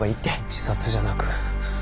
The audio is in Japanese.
自殺じゃなく。